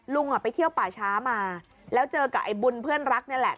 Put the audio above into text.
ไปเที่ยวป่าช้ามาแล้วเจอกับไอ้บุญเพื่อนรักนี่แหละ